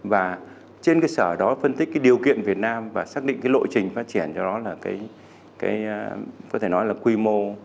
và trên sở đó phân tích điều kiện việt nam và xác định lộ trình phát triển cho đó là quy mô